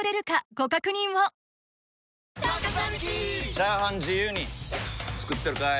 チャーハン自由に作ってるかい！？